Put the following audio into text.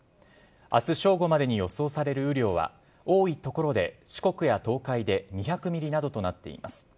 あす正午までに予想される雨量は多い所で四国や東海で２００ミリなどとなっています。